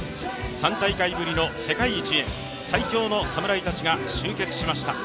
３大会ぶりの世界一へ、最強の侍たちが集結しました。